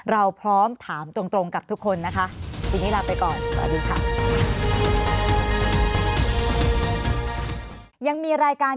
เราพร้อมถามตรงกับทุกคนนะคะ